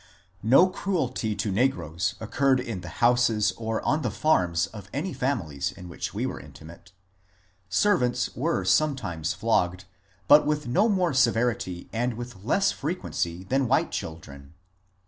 No cruelty to negroes occurred in the houses or on the farms of any families in which we were intimate. Servants were sometimes flogged, but with no more severity and with less frequency than white children.